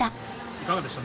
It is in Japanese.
いかがでした？